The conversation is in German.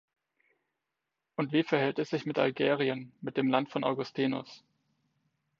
Und wie verhält es sich mit Algerien, mit dem Land von Augustinus?